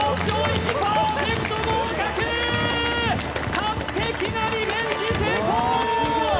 完璧なリベンジ成功！